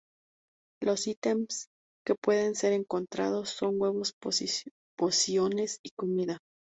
Los ítems que pueden ser encontrados son huevos, pociones y comida.